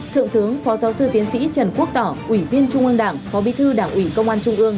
thượng tướng phó giáo sư tiến sĩ trần quốc tỏ ủy viên trung ương đảng phó bí thư đảng ủy công an trung ương